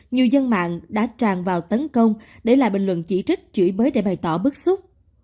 nhiều dân mạng đã tràn vào tấn công để lại bình luận chỉ trích chửi bới để bày tỏ bức xúc